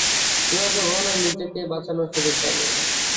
তুমি আমাকে কখনোই নিজেকে বাঁচানোর সুযোগ দাওনি।